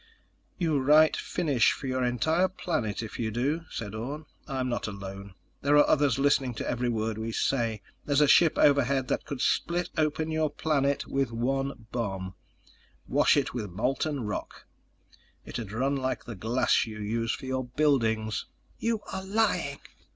"You write finish for your entire planet if you do," said Orne. "I'm not alone. There are others listening to every word we say. There's a ship overhead that could split open your planet with one bomb—wash it with molten rock. It'd run like the glass you use for your buildings." "You are lying!"